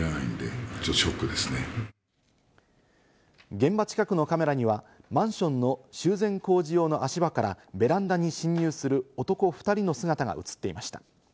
現場近くのカメラには、マンションの修繕工事用の足場からベランダに侵入する男２人の姿が映っていました。